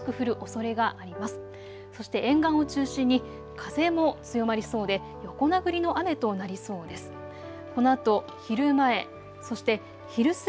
そして沿岸を中心に風も強まりそうで横殴りの雨となりそうです。